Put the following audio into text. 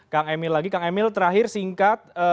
kang emil lagi kang emil terakhir singkat